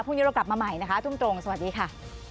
พรุ่งนี้เรากลับมาใหม่นะคะทุ่มตรงสวัสดีค่ะ